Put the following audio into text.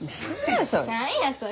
何やそれ！